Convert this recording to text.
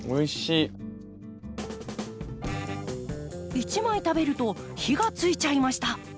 一枚食べると火がついちゃいました。